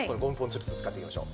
つるつる使っていきましょう。